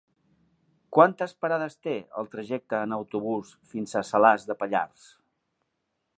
Quantes parades té el trajecte en autobús fins a Salàs de Pallars?